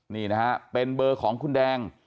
นี่นะฮะเป็นเบอร์ของคุณแดง